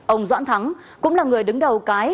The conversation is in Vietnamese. ông doãn thắng cũng là người đứng đầu cái